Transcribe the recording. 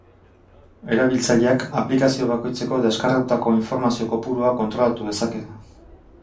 Erabiltzaileak aplikazio bakoitzeko deskargatutako informazio kopurua kontrolatu dezake.